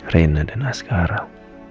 reina dan askaram